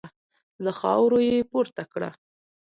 له خاورو يې پورته کړه.